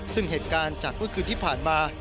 ซึ่งเหตุการณ์จากเมื่อคืนที่ผ่านมา